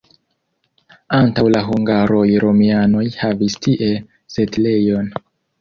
Antaŭ la hungaroj romianoj havis tie setlejon.